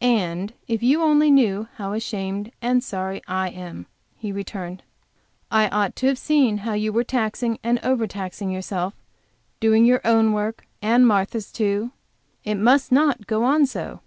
"And if you only knew how ashamed and sorry I am!" he returned. "I ought to have seen how you taxing and over taxing yourself, doing your work and Martha's too. It must not go on so."